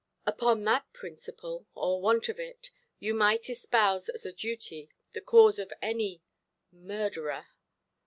"Upon that principle, or want of it, you might espouse, as a duty, the cause of any murderer".